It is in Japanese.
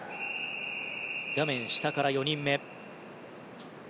画面下から４人目。